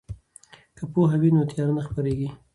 که پوهه وي نو تیاره نه خپریږي.